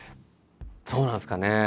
そうなんですかね。